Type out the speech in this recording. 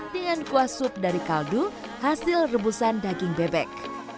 dengan kuah sup dari kaldu hasil rebusan daging bebek